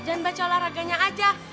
jangan baca olahraganya aja